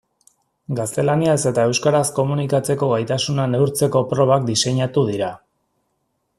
Gaztelaniaz eta euskaraz komunikatzeko gaitasuna neurtzeko probak diseinatu dira.